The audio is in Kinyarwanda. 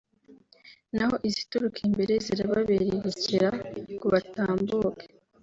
naho izituruka imbere zirababererekera ngo batambuke